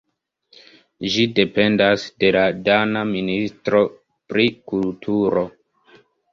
Ĝi dependas de la dana ministro pri kulturo.